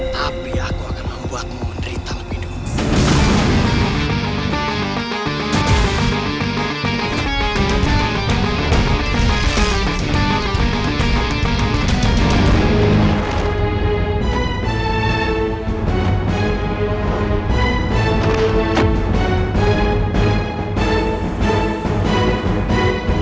tapi aku akan membuatmu menderita lebih dulu